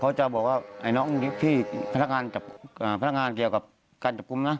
เขาจะบอกว่าไอ้น้องพี่พนักงานพนักงานเกี่ยวกับการจับกลุ่มนะ